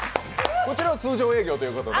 こちらは通常営業ということで。